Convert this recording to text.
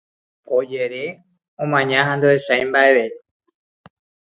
Ojere, omaña ha ndohechái mba'eve.